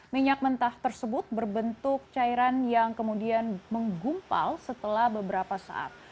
minyak mentah tersebut berbentuk cairan yang kemudian menggumpal setelah beberapa saat